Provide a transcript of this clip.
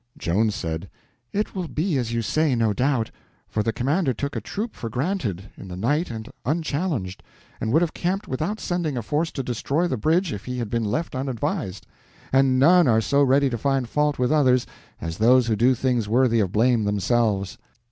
Joan said: "It will be as you say, no doubt; for the commander took a troop for granted, in the night and unchallenged, and would have camped without sending a force to destroy the bridge if he had been left unadvised, and none are so ready to find fault with others as those who do things worthy of blame themselves."